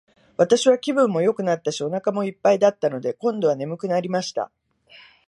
私は気分もよくなったし、お腹も一ぱいだったので、今度は睡くなりました。